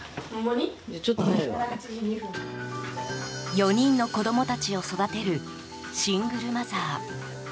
４人の子供たちを育てるシングルマザー。